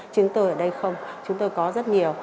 chúng tôi ở đây không chúng tôi có rất nhiều